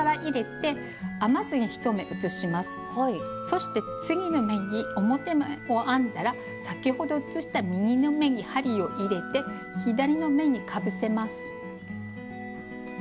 そして次の目に表目を編んだら先ほど移した右の目に針を入れて左の目にかぶせます。